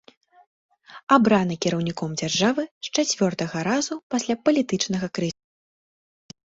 Абраны кіраўніком дзяржавы з чацвёртага разу пасля палітычнага крызісу.